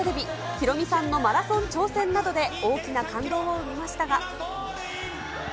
ヒロミさんのマラソン挑戦などで大きな感動を生みましたが。